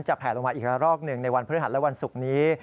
แผลลงมาอีกละรอกหนึ่งในวันพฤหัสและวันศุกร์นี้